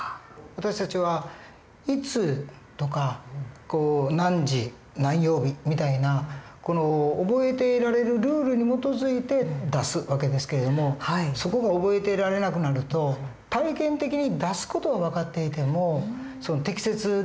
私たちはいつとか何時何曜日みたいな覚えていられるルールに基づいて出す訳ですけれどもそこが覚えていられなくなると体験的に出す事は分かっていても適切でなかったりする訳ですね。